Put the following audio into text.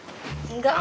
kelemihan gue juga